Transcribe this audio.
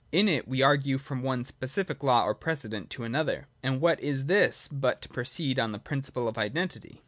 In it we argue from one specific law or precedent to another : and what is this but to proceed on the principle of identity